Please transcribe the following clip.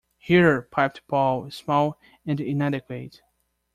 “Here!” piped Paul, small and inadequate.